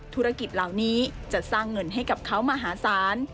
ธุรกิจเหล่านี้จะสร้างเงินให้กับเขามหาศาล